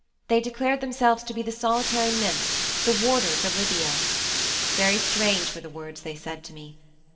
They declared themselves to be the solitary nymphs, the warders, of Libya. Very strange were the words they said to me.